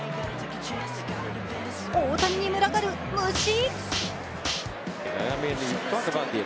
大谷に群がる虫。